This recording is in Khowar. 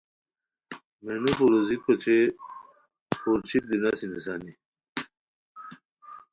مینو پرویزیک اوچے پور چھیک دی نسی نیسانی